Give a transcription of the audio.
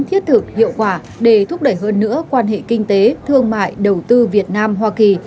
thiết thực hiệu quả để thúc đẩy hơn nữa quan hệ kinh tế thương mại đầu tư việt nam hoa kỳ